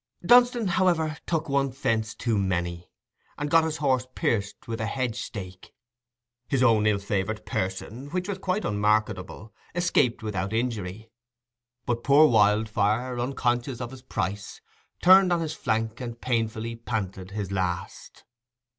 Dunstan, however, took one fence too many, and got his horse pierced with a hedge stake. His own ill favoured person, which was quite unmarketable, escaped without injury; but poor Wildfire, unconscious of his price, turned on his flank and painfully panted his last.